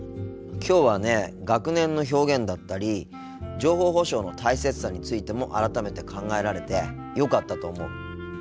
きょうはね学年の表現だったり情報保障の大切さについても改めて考えられてよかったと思う。